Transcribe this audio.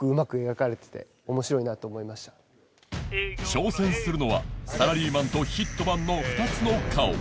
挑戦するのはサラリーマンとヒットマンの２つの顔